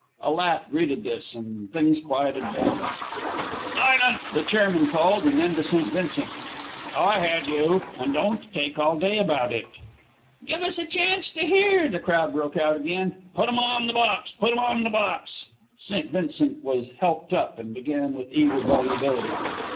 A laugh greeted this, and things quieted down. "Silence!" the chairman called, and then to St. Vincent, "Go ahead, you, and don't take all day about it." "Give us a chance to hear!" the crowd broke out again. "Put 'm on the box! Put 'm on the box!" St. Vincent was helped up, and began with eager volubility.